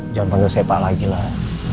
jangan panggil saya pak lagi lah